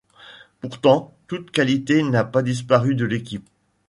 Pourtant toute qualité n'a pas disparu de l'équipe.